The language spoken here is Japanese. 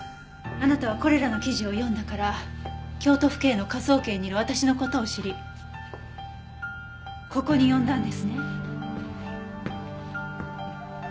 あなたはこれらの記事を読んだから京都府警の科捜研にいる私の事を知りここに呼んだんですね。